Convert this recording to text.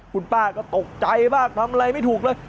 คุณป้าก็ตกใจมากทำอะไรไม่ถูกเลย